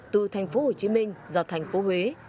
từ thành phố hồ chí minh ra thành phố huế